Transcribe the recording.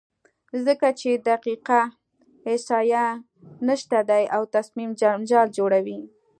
ځکه چې دقیقه احصایه نشته دی او تصمیم جنجال جوړوي،